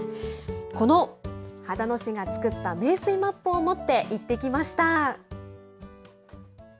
この秦野市が作った名水マップを持って行ってきました。